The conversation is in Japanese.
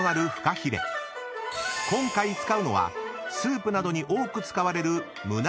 ［今回使うのはスープなどに多く使われる］